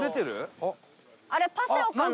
あれパセオかな？